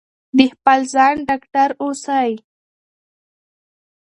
د خپل ځان ډاکټر اوسئ.